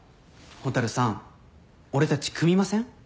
蛍さん俺たち組みません？